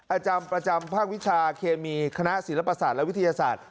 อาจารย์ประจำภาควิชาเคมีขนาสิรภาษาและวิทยาศาสตร์